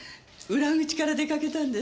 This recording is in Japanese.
裏口から出かけたんです。